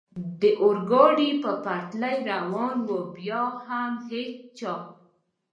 د اورګاډي پر پټلۍ روان و، بیا هم هېڅ چا.